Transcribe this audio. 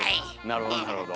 なるほどなるほど。